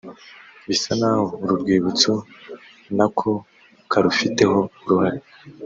bisa n’aho uru rwibutso na ko karufiteho uruhare